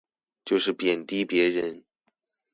就是貶低別人